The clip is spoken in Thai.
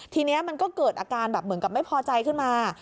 ทีนี้มันก็เกิดอาการแบบเหมือนกับไม่พอใจขึ้นมา